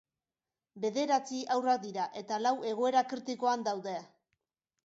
Bederatzi haurrak dira eta lau egoera kritikoan daude.